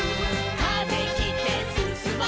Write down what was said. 「風切ってすすもう」